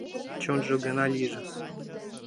Чонжо гына лийже.